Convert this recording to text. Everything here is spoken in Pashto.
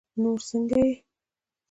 نور سنګه یی